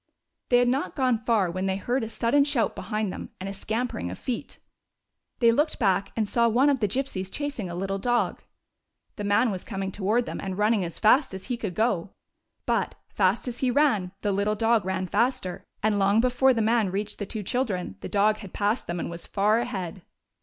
They had not gone far when they heard a sudden shout behind them and a scampering of feet. They looked back, and saw one of the Gypsies chasing a little dog. The man was coming toward them, and running as fast as he could go. But, fast as he ran, the lit tle dog ran faster; and long before the man reached the two children the dog had passed them and was far ahead.